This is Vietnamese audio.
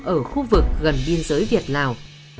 ở khu vực gần biên giới việt lào